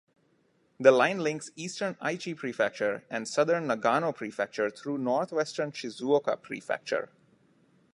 The line links eastern Aichi Prefecture and southern Nagano Prefecture through northwestern Shizuoka Prefecture.